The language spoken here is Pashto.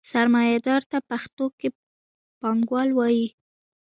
سرمایدار ته پښتو کې پانګوال وايي.